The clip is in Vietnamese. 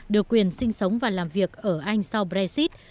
được quyền sinh sống và làm việc ở anh sau brexit